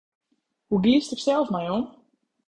Hoe giest dêr sels mei om?